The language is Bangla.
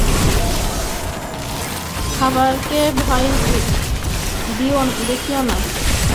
খাবারকে ভয় দেখিও না।